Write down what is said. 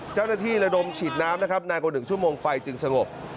เจ้าหน้าที่ระดมฉีดน้ำนะครับนานกว่า๑ชั่วโมงไฟจึงสงบ